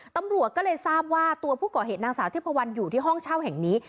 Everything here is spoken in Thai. ตำรวจก็เลยทราบว่าตัวผู้ก่อเหตุนางสาวเทพวันอยู่ที่ห้องเช่าแห่งนี้